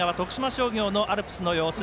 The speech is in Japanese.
商業のアルプスの様子